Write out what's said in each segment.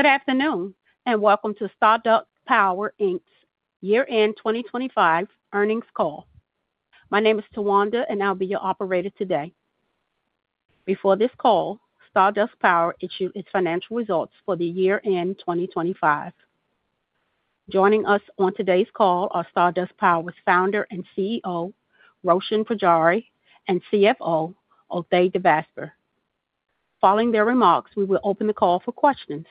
Good afternoon and welcome to Stardust Power Inc.'s Year-End 2025 Earnings Call. My name is Tawanda, and I'll be your operator today. Before this call, Stardust Power issued its financial results for the year-end 2025. Joining us on today's call are Stardust Power's Founder and CEO, Roshan Pujari, and CFO, Uday Devasper. Following their remarks, we will open the call for questions.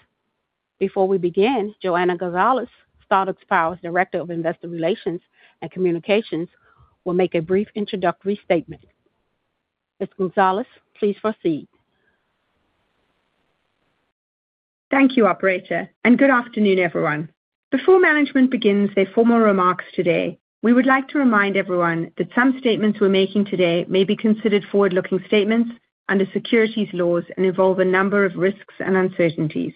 Before we begin, Johanna Gonzalez, Stardust Power's Director of Investor Relations and Communications, will make a brief introductory statement. Ms. Gonzalez, please proceed. Thank you, operator, and good afternoon, everyone. Before management begins their formal remarks today, we would like to remind everyone that some statements we're making today may be considered forward-looking statements under securities laws and involve a number of risks and uncertainties.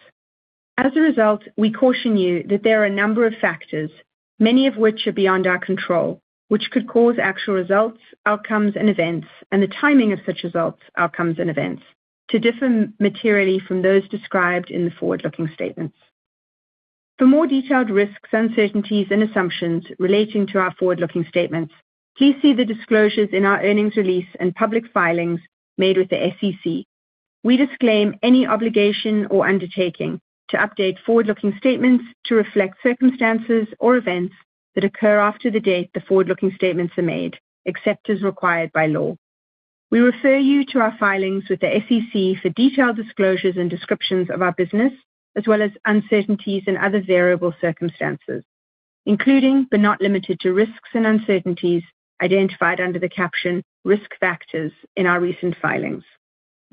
As a result, we caution you that there are a number of factors, many of which are beyond our control, which could cause actual results, outcomes, and events and the timing of such results, outcomes, and events to differ materially from those described in the forward-looking statements. For more detailed risks, uncertainties, and assumptions relating to our forward-looking statements, please see the disclosures in our earnings release and public filings made with the SEC. We disclaim any obligation or undertaking to update forward-looking statements to reflect circumstances or events that occur after the date the forward-looking statements are made, except as required by law. We refer you to our filings with the SEC for detailed disclosures and descriptions of our business, as well as uncertainties and other variable circumstances, including, but not limited to risks and uncertainties identified under the caption "Risk Factors" in our recent filings.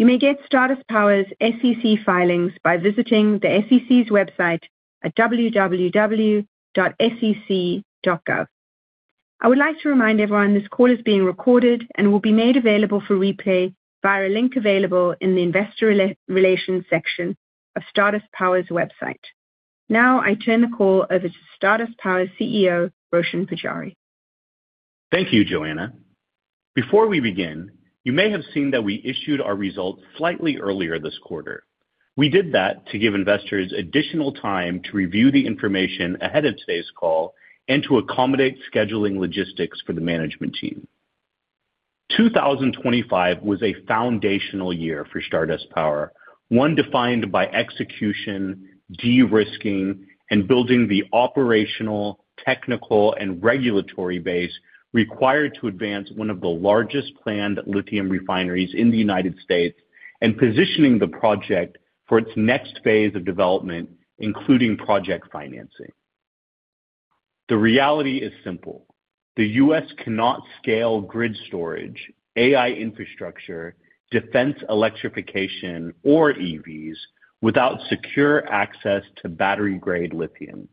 You may get Stardust Power's SEC filings by visiting the SEC's website at www.sec.gov. I would like to remind everyone this call is being recorded and will be made available for replay via a link available in the investor relations section of Stardust Power's website. Now I turn the call over to Stardust Power CEO, Roshan Pujari. Thank you, Johanna. Before we begin, you may have seen that we issued our results slightly earlier this quarter. We did that to give investors additional time to review the information ahead of today's call and to accommodate scheduling logistics for the management team. 2025 was a foundational year for Stardust Power, one defined by execution, de-risking, and building the operational, technical, and regulatory base required to advance one of the largest planned lithium refineries in the United States and positioning the project for its next phase of development, including project financing. The reality is simple. The U.S. cannot scale grid storage, AI infrastructure, defense electrification, or EVs without secure access to battery-grade lithium.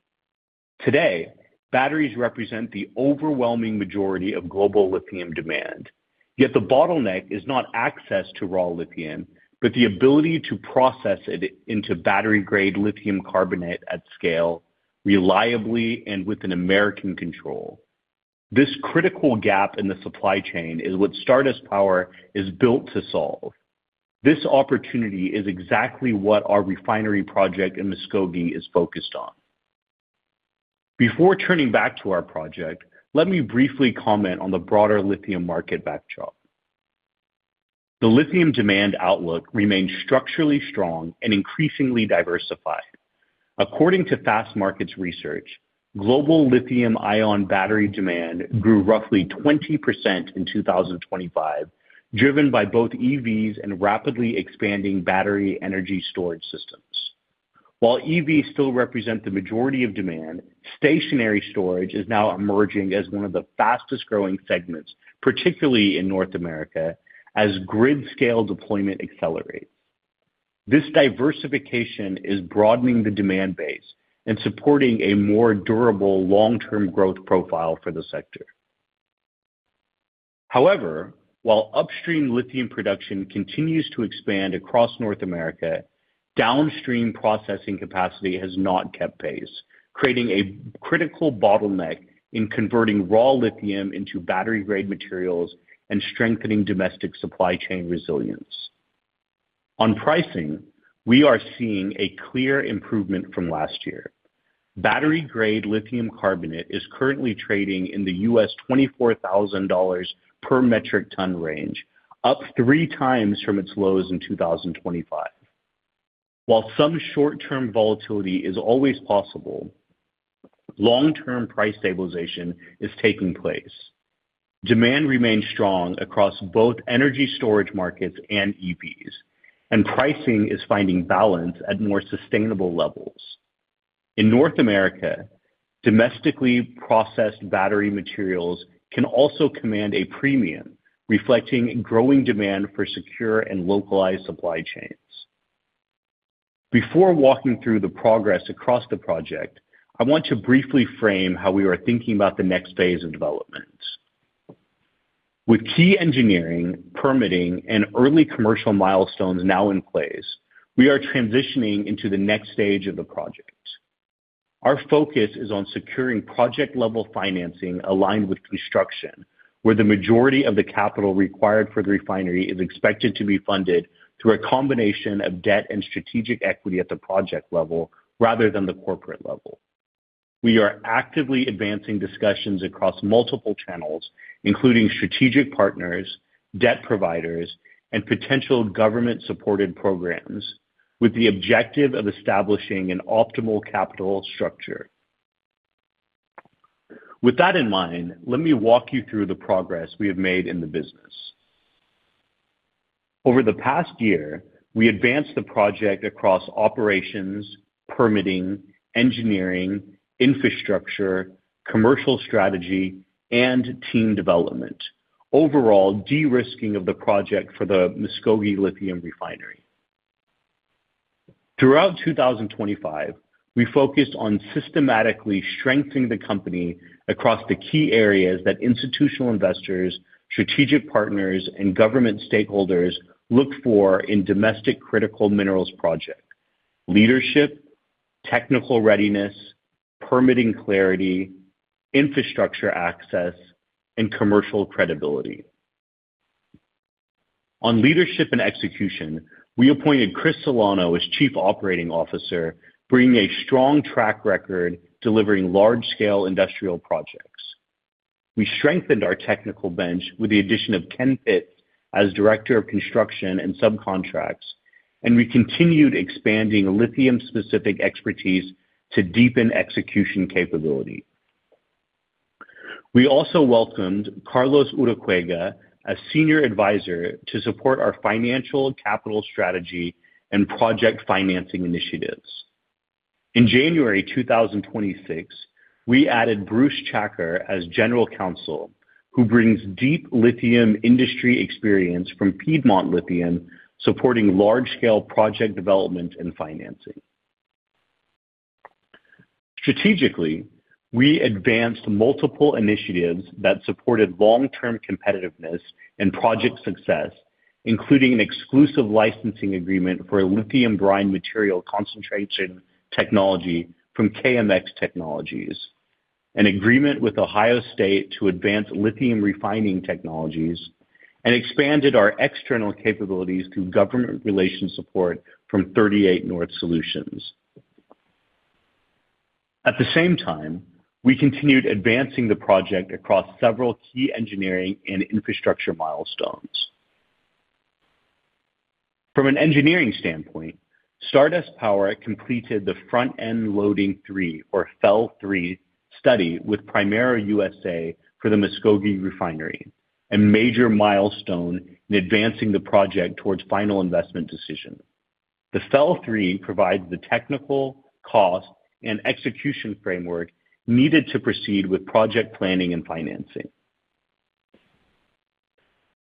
Today, batteries represent the overwhelming majority of global lithium demand. Yet the bottleneck is not access to raw lithium, but the ability to process it into battery-grade lithium carbonate at scale reliably and with an American control. This critical gap in the supply chain is what Stardust Power is built to solve. This opportunity is exactly what our refinery project in Muskogee is focused on. Before turning back to our project, let me briefly comment on the broader lithium market backdrop. The lithium demand outlook remains structurally strong and increasingly diversified. According to Fastmarkets research, global lithium-ion battery demand grew roughly 20% in 2025, driven by both EVs and rapidly expanding battery energy storage systems. While EVs still represent the majority of demand, stationary storage is now emerging as one of the fastest-growing segments, particularly in North America, as grid-scale deployment accelerates. This diversification is broadening the demand base and supporting a more durable long-term growth profile for the sector. However, while upstream lithium production continues to expand across North America, downstream processing capacity has not kept pace, creating a critical bottleneck in converting raw lithium into battery-grade materials and strengthening domestic supply chain resilience. On pricing, we are seeing a clear improvement from last year. Battery-grade lithium carbonate is currently trading in the $24,000 per metric ton range, up three times from its lows in 2025. While some short-term volatility is always possible, long-term price stabilization is taking place. Demand remains strong across both energy storage markets and EVs, and pricing is finding balance at more sustainable levels. In North America, domestically processed battery materials can also command a premium, reflecting growing demand for secure and localized supply chains. Before walking through the progress across the project, I want to briefly frame how we are thinking about the next phase of development. With key engineering, permitting, and early commercial milestones now in place, we are transitioning into the next stage of the project. Our focus is on securing project level financing aligned with construction, where the majority of the capital required for the refinery is expected to be funded through a combination of debt and strategic equity at the project level rather than the corporate level. We are actively advancing discussions across multiple channels, including strategic partners, debt providers, and potential government supported programs with the objective of establishing an optimal capital structure. With that in mind, let me walk you through the progress we have made in the business. Over the past year, we advanced the project across operations, permitting, engineering, infrastructure, commercial strategy, and team development. Overall de-risking of the project for the Muskogee Lithium Refinery. Throughout 2025, we focused on systematically strengthening the company across the key areas that institutional investors, strategic partners and government stakeholders look for in domestic critical minerals project, leadership, technical readiness, permitting clarity, infrastructure access and commercial credibility. On leadership and execution, we appointed Chris Celano as Chief Operating Officer, bringing a strong track record delivering large scale industrial projects. We strengthened our technical bench with the addition of Ken Pitts as Director of Construction and Subcontracts, and we continued expanding lithium specific expertise to deepen execution capability. We also welcomed Carlos Urquiaga as Senior Advisor to support our financial capital strategy and project financing initiatives. In January 2026, we added Bruce Czachor as General Counsel, who brings deep lithium industry experience from Piedmont Lithium, supporting large scale project development and financing. Strategically, we advanced multiple initiatives that supported long term competitiveness and project success, including an exclusive licensing agreement for a lithium brine material concentration technology from KMX Technologies, an agreement with Ohio State to advance lithium refining technologies, and expanded our external capabilities through government relations support from 38 North Solutions. At the same time, we continued advancing the project across several key engineering and infrastructure milestones. From an engineering standpoint, Stardust Power completed the Front-End Loading 3 or FEL-3 study with Primero USA for the Muskogee refinery, a major milestone in advancing the project towards final investment decision. The FEL-3 provides the technical cost and execution framework needed to proceed with project planning and financing.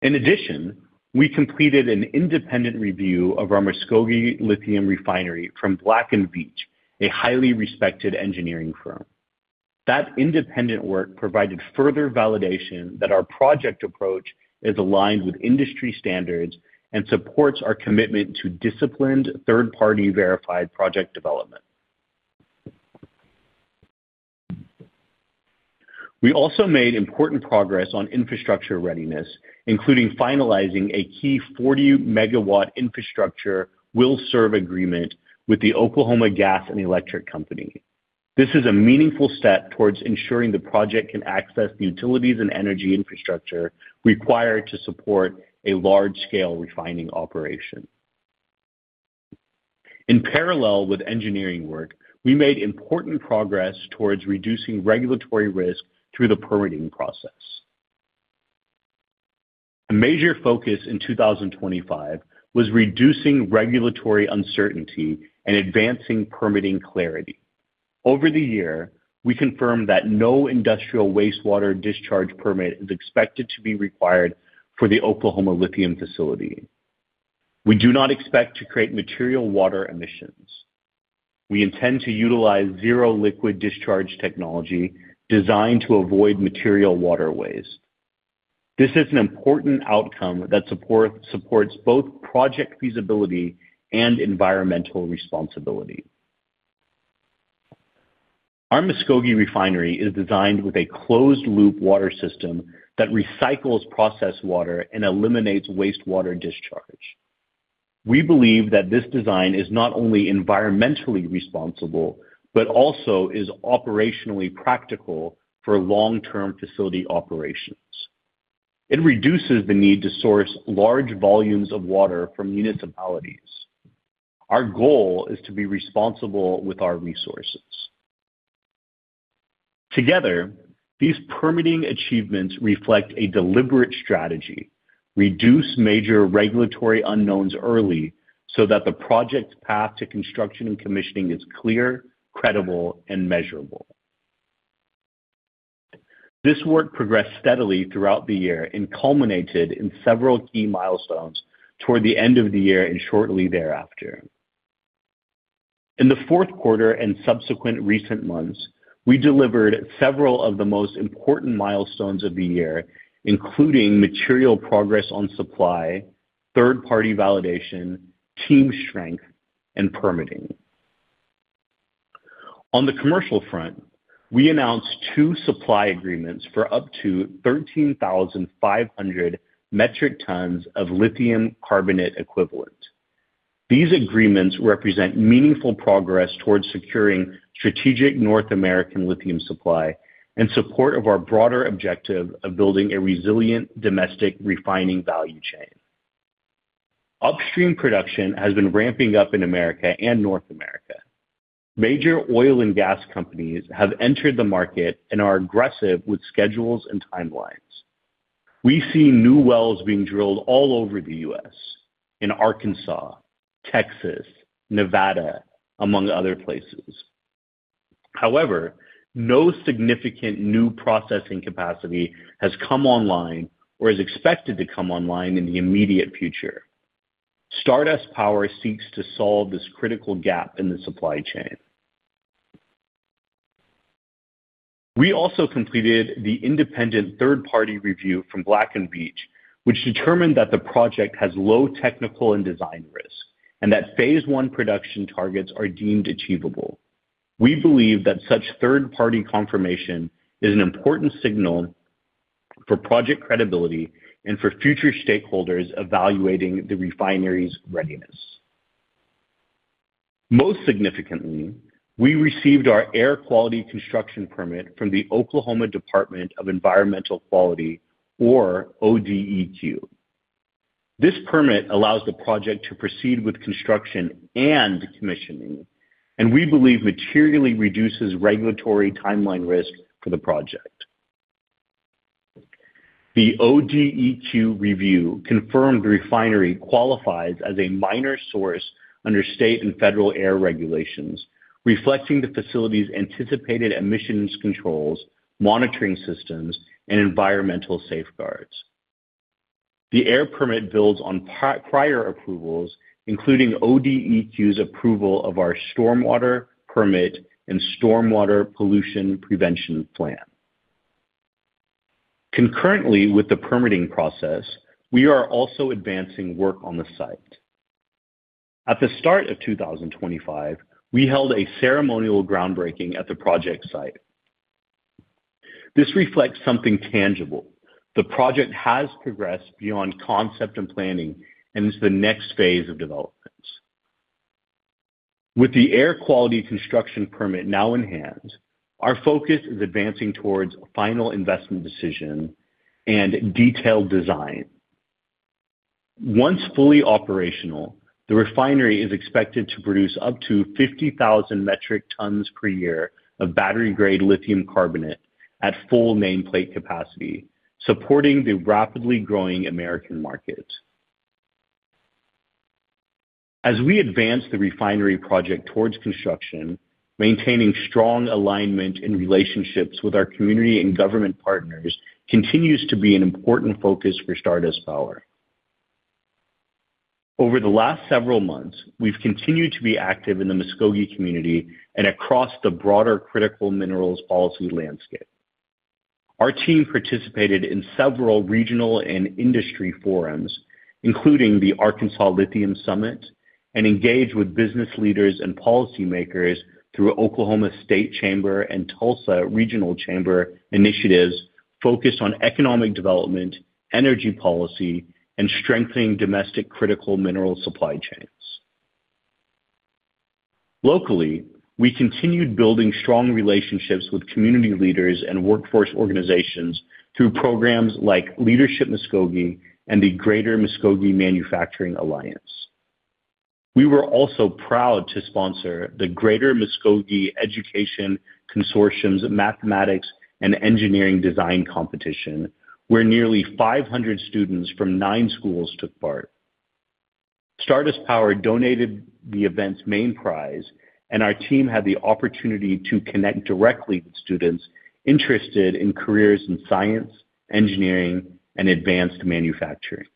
In addition, we completed an independent review of our Muskogee Lithium Refinery from Black & Veatch, a highly respected engineering firm. That independent work provided further validation that our project approach is aligned with industry standards and supports our commitment to disciplined third-party verified project development. We also made important progress on infrastructure readiness, including finalizing a key 40 MW infrastructure will-serve agreement with the Oklahoma Gas and Electric Company. This is a meaningful step towards ensuring the project can access the utilities and energy infrastructure required to support a large-scale refining operation. In parallel with engineering work, we made important progress towards reducing regulatory risk through the permitting process. A major focus in 2025 was reducing regulatory uncertainty and advancing permitting clarity. Over the year, we confirmed that no industrial wastewater discharge permit is expected to be required for the Oklahoma Lithium facility. We do not expect to create material water emissions. We intend to utilize zero liquid discharge technology designed to avoid material waterways. This is an important outcome that supports both project feasibility and environmental responsibility. Our Muskogee refinery is designed with a closed loop water system that recycles processed water and eliminates wastewater discharge. We believe that this design is not only environmentally responsible, but also is operationally practical for long term facility operations. It reduces the need to source large volumes of water from municipalities. Our goal is to be responsible with our resources. Together, these permitting achievements reflect a deliberate strategy to reduce major regulatory unknowns early so that the project's path to construction and commissioning is clear, credible and measurable. This work progressed steadily throughout the year and culminated in several key milestones toward the end of the year and shortly thereafter. In the fourth quarter and subsequent recent months, we delivered several of the most important milestones of the year, including material progress on supply, third-party validation, team strength, and permitting. On the commercial front, we announced two supply agreements for up to 13,500 metric tons of lithium carbonate equivalent. These agreements represent meaningful progress towards securing strategic North American lithium supply in support of our broader objective of building a resilient domestic refining value chain. Upstream production has been ramping up in America and North America. Major oil and gas companies have entered the market and are aggressive with schedules and timelines. We see new wells being drilled all over the U.S. in Arkansas, Texas, Nevada, among other places. However, no significant new processing capacity has come online or is expected to come online in the immediate future. Stardust Power seeks to solve this critical gap in the supply chain. We also completed the independent third-party review from Black & Veatch, which determined that the project has low technical and design risk and that phase one production targets are deemed achievable. We believe that such third-party confirmation is an important signal for project credibility and for future stakeholders evaluating the refinery's readiness. Most significantly, we received our air quality construction permit from the Oklahoma Department of Environmental Quality or ODEQ. This permit allows the project to proceed with construction and commissioning, and we believe materially reduces regulatory timeline risk for the project. The ODEQ review confirmed the refinery qualifies as a minor source under state and federal air regulations, reflecting the facility's anticipated emissions controls, monitoring systems, and environmental safeguards. The air permit builds on prior approvals, including ODEQ's approval of our stormwater permit and stormwater pollution prevention plan. Concurrently with the permitting process, we are also advancing work on the site. At the start of 2025, we held a ceremonial groundbreaking at the project site. This reflects something tangible. The project has progressed beyond concept and planning and is the next phase of development. With the air quality construction permit now in hand, our focus is advancing towards final investment decision and detailed design. Once fully operational, the refinery is expected to produce up to 50,000 metric tons per year of battery-grade lithium carbonate at full nameplate capacity, supporting the rapidly growing American market. As we advance the refinery project towards construction, maintaining strong alignment and relationships with our community and government partners continues to be an important focus for Stardust Power. Over the last several months, we've continued to be active in the Muskogee community and across the broader critical minerals policy landscape. Our team participated in several regional and industry forums, including the Arkansas Lithium Summit, and engaged with business leaders and policymakers through Oklahoma State Chamber and Tulsa Regional Chamber initiatives focused on economic development, energy policy, and strengthening domestic critical mineral supply chains. Locally, we continued building strong relationships with community leaders and workforce organizations through programs like Leadership Muskogee and the Greater Muskogee Manufacturers Alliance. We were also proud to sponsor the Greater Muskogee Education Consortium's Mathematics and Engineering Design Competition, where nearly 500 students from nine schools took part. Stardust Power donated the event's main prize, and our team had the opportunity to connect directly with students interested in careers in science, engineering, and advanced manufacturing.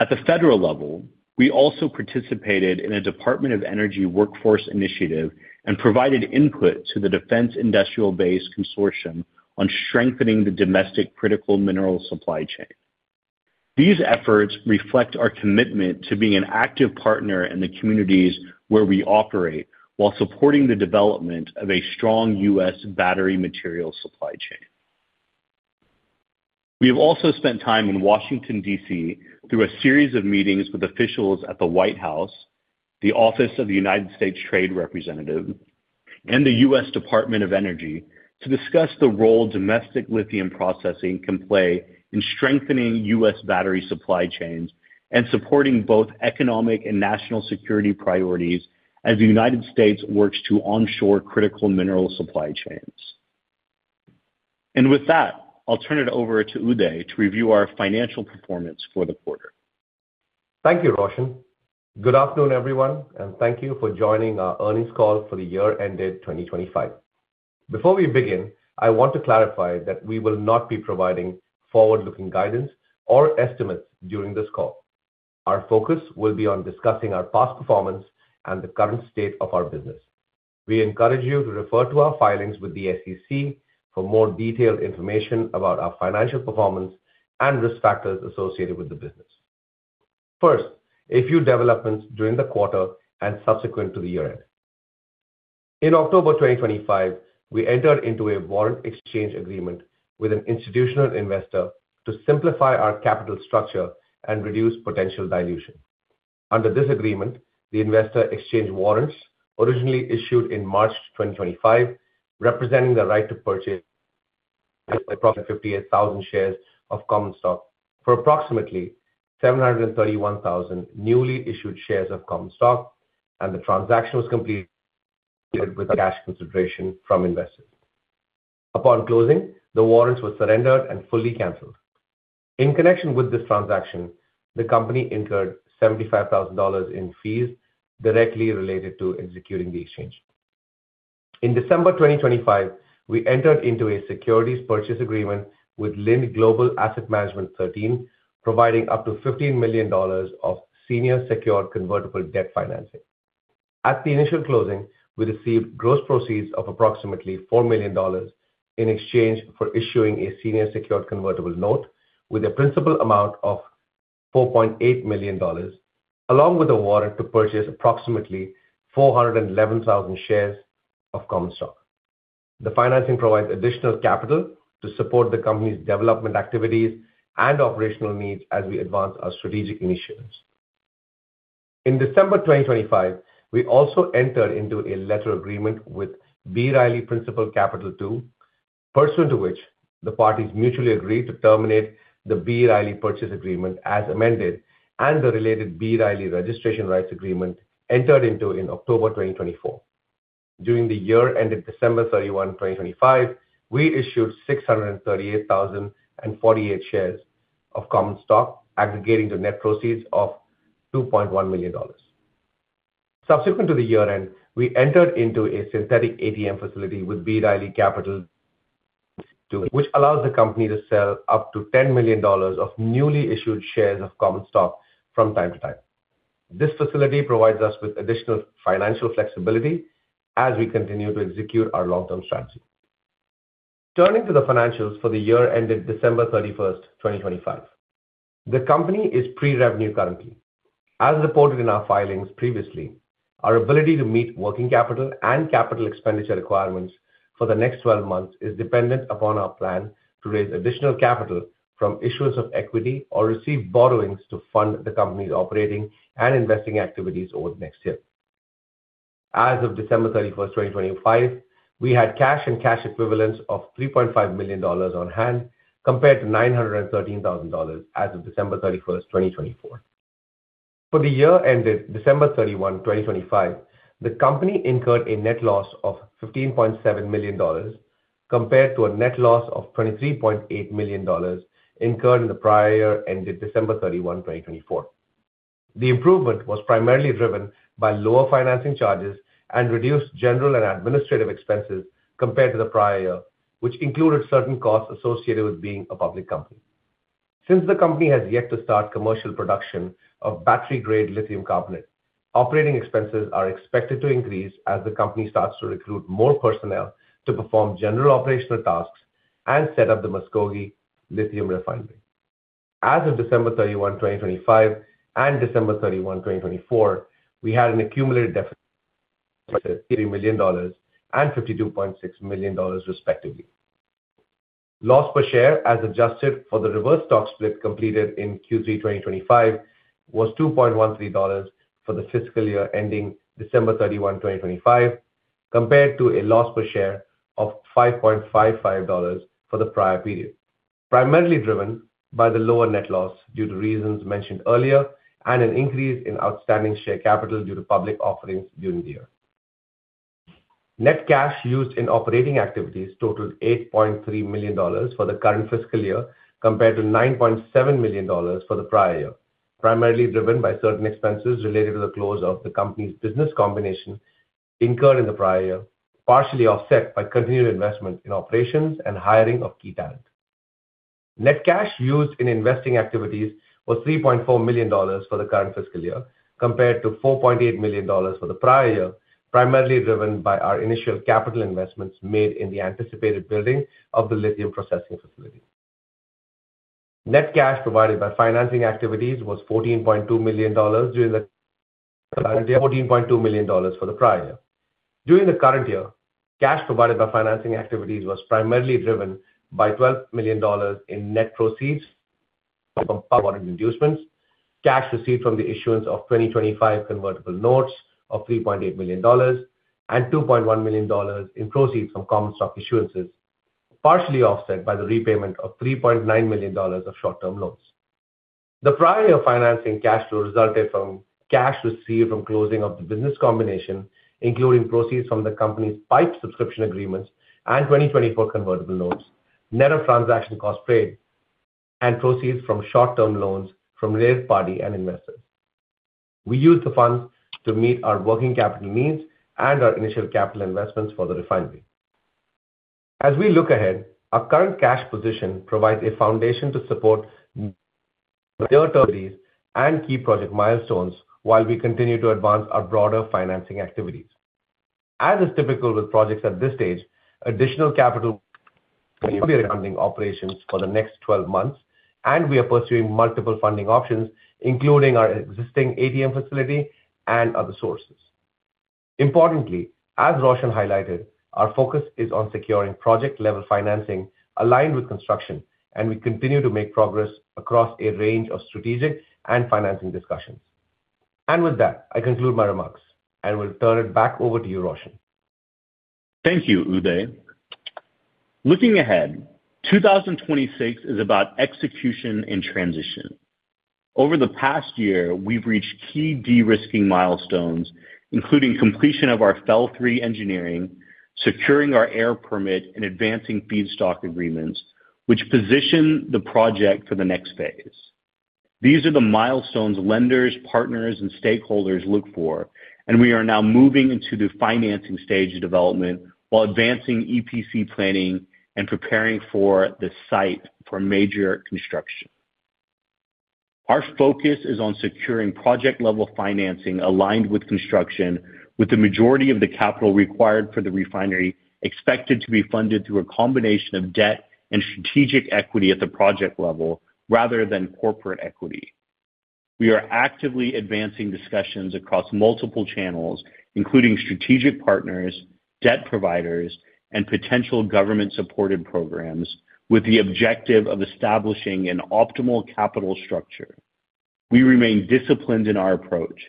At the federal level, we also participated in a Department of Energy workforce initiative and provided input to the Defense Industrial Base Consortium on strengthening the domestic critical mineral supply chain. These efforts reflect our commitment to being an active partner in the communities where we operate while supporting the development of a strong U.S. battery material supply chain. We have also spent time in Washington, D.C., through a series of meetings with officials at the White House, the Office of the United States Trade Representative, and the U.S. Department of Energy to discuss the role domestic lithium processing can play in strengthening U.S. battery supply chains and supporting both economic and national security priorities as the United States works to onshore critical mineral supply chains. With that, I'll turn it over to Uday to review our financial performance for the quarter. Thank you, Roshan. Good afternoon, everyone, and thank you for joining our earnings call for the year ended 2025. Before we begin, I want to clarify that we will not be providing forward-looking guidance or estimates during this call. Our focus will be on discussing our past performance and the current state of our business. We encourage you to refer to our filings with the SEC for more detailed information about our financial performance and risk factors associated with the business. First, a few developments during the quarter and subsequent to the year-end. In October 2025, we entered into a warrant exchange agreement with an institutional investor to simplify our capital structure and reduce potential dilution. Under this agreement, the investor exchanged warrants originally issued in March 2025, representing the right to purchase approximately 58,000 shares of common stock for approximately 731,000 newly issued shares of common stock, and the transaction was completed with the cash consideration from investors. Upon closing, the warrants were surrendered and fully canceled. In connection with this transaction, the company incurred $75,000 in fees directly related to executing the exchange. In December 2025, we entered into a securities purchase agreement with Lind Global Asset Management 13, providing up to $15 million of senior secured convertible debt financing. At the initial closing, we received gross proceeds of approximately $4 million in exchange for issuing a senior secured convertible note with a principal amount of $4.8 million, along with a warrant to purchase approximately 411,000 shares of common stock. The financing provides additional capital to support the company's development activities and operational needs as we advance our strategic initiatives. In December 2025, we also entered into a letter agreement with B. Riley Principal Capital II, pursuant to which the parties mutually agreed to terminate the B. Riley purchase agreement as amended, and the related B. Riley registration rights agreement entered into in October 2024. During the year ended December 31, 2025, we issued 638,048 shares of common stock, aggregating to net proceeds of $2.1 million. Subsequent to the year-end, we entered into a synthetic ATM facility with B. Riley Principal Capital II, which allows the company to sell up to $10 million of newly issued shares of common stock from time to time. This facility provides us with additional financial flexibility as we continue to execute our long-term strategy. Turning to the financials for the year ended December 31, 2025. The company is pre-revenue currently. As reported in our filings previously, our ability to meet working capital and capital expenditure requirements for the next 12 months is dependent upon our plan to raise additional capital from issuers of equity or receive borrowings to fund the company's operating and investing activities over the next year. As of December 31, 2025, we had cash and cash equivalents of $3.5 million on hand, compared to $913,000 as of December 31, 2024. For the year ended December 31, 2025, the company incurred a net loss of $15.7 million compared to a net loss of $23.8 million incurred in the prior year ended December 31, 2024. The improvement was primarily driven by lower financing charges and reduced general and administrative expenses compared to the prior year, which included certain costs associated with being a public company. Since the company has yet to start commercial production of battery-grade lithium carbonate, operating expenses are expected to increase as the company starts to recruit more personnel to perform general operational tasks and set up the Muskogee Lithium Refinery. As of December 31, 2025, and December 31, 2024, we had an accumulated $1 million and $52.6 million, respectively. Loss per share, as adjusted for the reverse stock split completed in Q3 2025, was $2.13 for the fiscal year ending December 31, 2025, compared to a loss per share of $5.55 for the prior period, primarily driven by the lower net loss due to reasons mentioned earlier and an increase in outstanding share capital due to public offerings during the year. Net cash used in operating activities totaled $8.3 million for the current fiscal year, compared to $9.7 million for the prior year, primarily driven by certain expenses related to the close of the company's business combination incurred in the prior year, partially offset by continued investment in operations and hiring of key talent. Net cash used in investing activities was $3.4 million for the current fiscal year, compared to $4.8 million for the prior year, primarily driven by our initial capital investments made in the anticipated building of the lithium processing facility. Net cash provided by financing activities was $14.2 million $14.2 million for the prior year. During the current year, cash provided by financing activities was primarily driven by $12 million in net proceeds from inducements, cash received from the issuance of 2025 convertible notes of $3.8 million, and $2.1 million in proceeds from common stock issuances, partially offset by the repayment of $3.9 million of short-term loans. The prior year financing cash flow resulted from cash received from closing of the business combination, including proceeds from the company's PIPE subscription agreements and 2024 convertible loans, net of transaction costs paid, and proceeds from short-term loans from related party and investors. We used the funds to meet our working capital needs and our initial capital investments for the refinery. As we look ahead, our current cash position provides a foundation to support and key project milestones while we continue to advance our broader financing activities. As is typical with projects at this stage, additional capital will be running operations for the next 12 months, and we are pursuing multiple funding options, including our existing ATM facility and other sources. Importantly, as Roshan highlighted, our focus is on securing project-level financing aligned with construction, and we continue to make progress across a range of strategic and financing discussions. With that, I conclude my remarks, and we'll turn it back over to you, Roshan. Thank you, Uday. Looking ahead, 2026 is about execution and transition. Over the past year, we've reached key de-risking milestones, including completion of our FEL-3 engineering, securing our air permit, and advancing feedstock agreements, which position the project for the next phase. These are the milestones lenders, partners, and stakeholders look for, and we are now moving into the financing stage of development while advancing EPC planning and preparing the site for major construction. Our focus is on securing project-level financing aligned with construction, with the majority of the capital required for the refinery expected to be funded through a combination of debt and strategic equity at the project level rather than corporate equity. We are actively advancing discussions across multiple channels, including strategic partners, debt providers, and potential government-supported programs with the objective of establishing an optimal capital structure. We remain disciplined in our approach,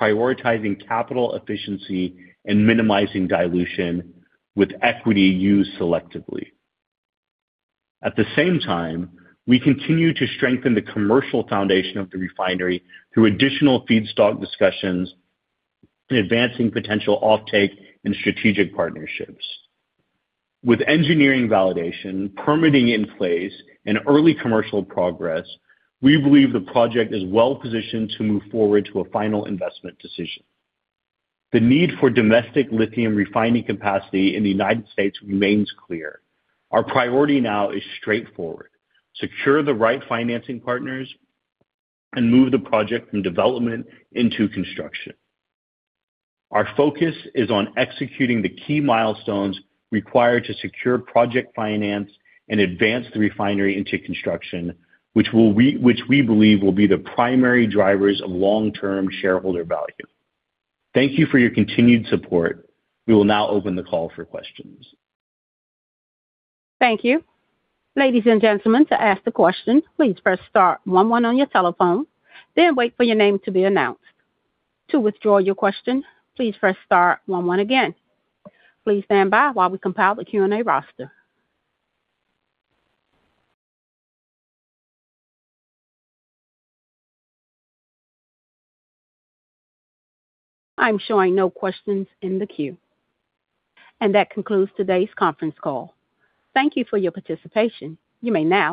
prioritizing capital efficiency and minimizing dilution with equity used selectively. At the same time, we continue to strengthen the commercial foundation of the refinery through additional feedstock discussions and advancing potential offtake and strategic partnerships. With engineering validation, permitting in place, and early commercial progress, we believe the project is well-positioned to move forward to a final investment decision. The need for domestic lithium refining capacity in the United States remains clear. Our priority now is straightforward. Secure the right financing partners and move the project from development into construction. Our focus is on executing the key milestones required to secure project finance and advance the refinery into construction, which we believe will be the primary drivers of long-term shareholder value. Thank you for your continued support. We will now open the call for questions. Thank you. Ladies and gentlemen, to ask the question, please press star one one on your telephone, then wait for your name to be announced. To withdraw your question, please press star one one again. Please stand by while we compile the Q&A roster. I'm showing no questions in the queue. That concludes today's conference call. Thank you for your participation. You may now disconnect.